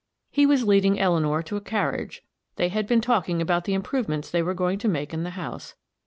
He was leading Eleanor to a carriage; they had been talking about the improvements they were going to make in the house.